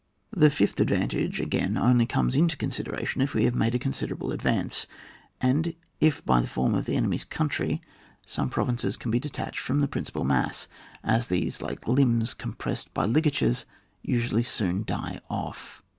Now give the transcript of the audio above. The fifth advantage, again, only comes into consideration if we have made a considerable advance, and if by the form of the enemy's country some provinces can be detached from the principal mass, as these, like limbs compressed by liga tures, usually soon die off.